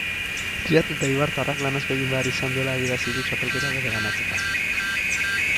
Triatleta eibartarrak lan asko egin behar izan duela adierazi du txapelketa bereganatzeko.